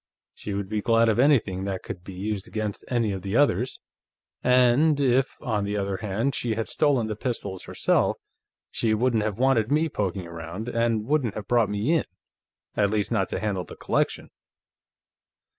She would be glad of anything that could be used against any of the others. And if, on the other hand, she had stolen the pistols herself, she wouldn't have wanted me poking around, and wouldn't have brought me in, at least not to handle the collection."